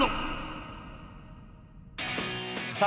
さあ